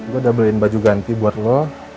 gue udah beliin baju ganti buat lo